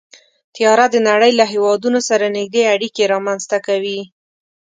طیاره د نړۍ له هېوادونو سره نږدې اړیکې رامنځته کوي.